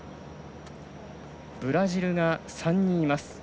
ブラジルが３人います。